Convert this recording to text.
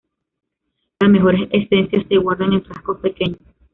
Las mejores esencias se guardan en frascos pequeños